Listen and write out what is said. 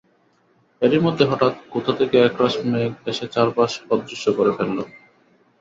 এরই মধ্যে হঠাৎ কোথা থেকে একরাশ মেঘ এসে চারপাশ অদৃশ্য করে ফেলল।